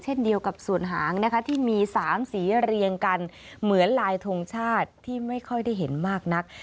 เช่นเดียวกับส่วนหางนะคะที่มี๓สีเรียงกันเหมือนลายทงชาติที่ไม่ค่อยได้เห็นมากนัก